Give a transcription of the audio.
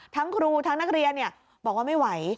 ทั้งครูทั้งนักเรียนบอกว่าไม่ไหว